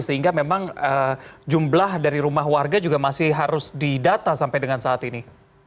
sehingga memang jumlah dari rumah warga juga masih harus didata sampai dengan saat ini